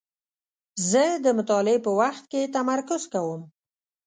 زه د مطالعې په وخت کې تمرکز کوم.